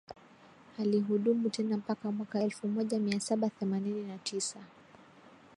Alihudumu tena mpaka mwaka elfu moja mia saba themanini na tisa